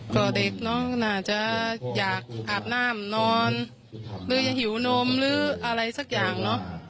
ก็เด็กน้องน่าจะอยากอาบน้ำนอนหรือยังหิวนมหรืออะไรสักอย่างเนอะ